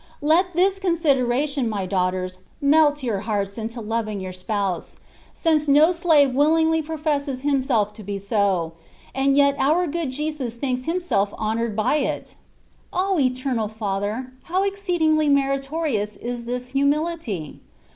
Let this consideration, my daughters, melt your hearts, into loving your spouse, since no slave willingly professes himself to be so, and yet our good Jesus thinks Himself honoured by it. O Eternal Father ! how exceed ingly meritorious is this humility!